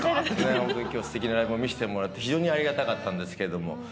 ホントに今日すてきなライブを見せてもらって非常にありがたかったんですけども。